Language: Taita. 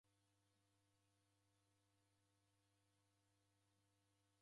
W'andu w'esighwa w'aranganyikilwa putu.